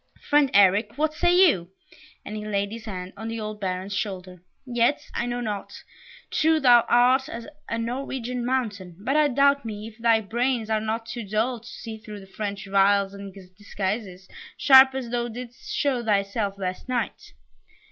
Friend Eric, what say you?" and he laid his hand on the old Baron's shoulder. "Yet, I know not; true thou art, as a Norwegian mountain, but I doubt me if thy brains are not too dull to see through the French wiles and disguises, sharp as thou didst show thyself last night."